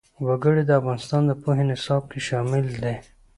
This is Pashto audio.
وګړي د افغانستان د پوهنې نصاب کې شامل دي.